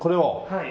はい。